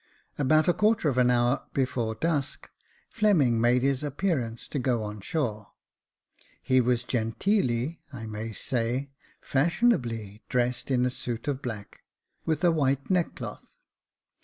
About a quarter of an hour before dusk, Fleming made his ap pearance to go on shore. He was genteelly, I may say fashionably, dressed in a suit of black, with a white neck cloth.